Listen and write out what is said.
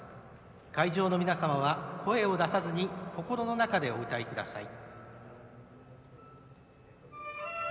会場の皆様は声を出さずに心の中でお歌いください。